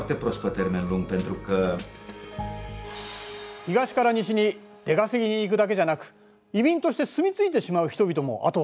東から西に出稼ぎに行くだけじゃなく移民として住み着いてしまう人々も後を絶たない。